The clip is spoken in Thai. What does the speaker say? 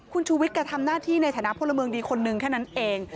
คุณชูวิทย์กระทำหน้าที่ในฐานะพลเมืองดีคนนึงแค่นั้นเอง